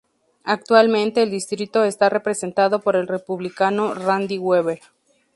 Actualmente el distrito está representado por el Republicano Randy Weber.